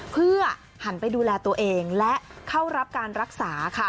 เพื่อหันไปดูแลตัวเองและเข้ารับการรักษาค่ะ